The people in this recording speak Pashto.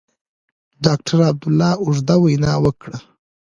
ډاکټر عبدالله اوږده وینا وکړه.